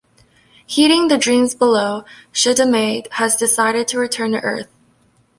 Heeding the dreams below, Shedemei has decided to return to Earth.